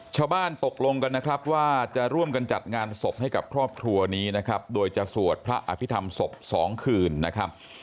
ชาวบ้านตกลงกันนะครับว่าจะร่วมกันจัดงานศพให้กับครอบครัวนี้นะครับโดยจะสวดพระอภิษฐรรมศพ๒คืนนะครับ